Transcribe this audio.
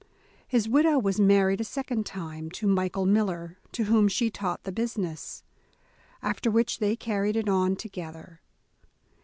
His widow was married a second time, to Michael Miller, to whom she taught the business, after which they carried it on together.